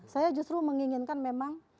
saya justru menginginkan memang